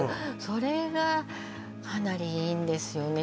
それがかなりいいんですよね